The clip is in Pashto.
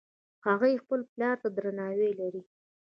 هغوی خپل پلار ته درناوی لري